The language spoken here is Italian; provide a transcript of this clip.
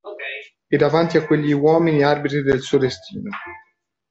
E davanti a quegli uomini arbitri del suo destino.